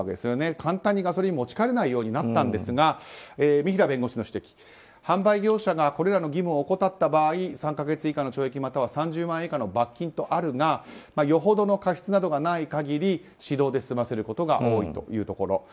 簡単にガソリンを持ち帰れないようになったんですが三平弁護士の指摘販売業者がこれらの義務を怠った場合、３か月以下の懲役または３０万円以下の罰金とあるがよほどの過失などがない限り指導で済ませることが多いというところ。